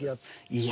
いや。